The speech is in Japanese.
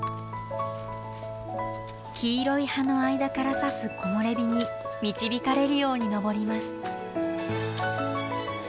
黄色い葉の間からさす木漏れ日に導かれるように登ります。